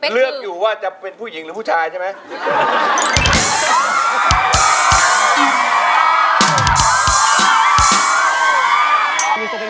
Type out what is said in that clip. เลือกอยู่ว่าจะเป็นผู้หญิงหรือผู้ชายใช่ไหม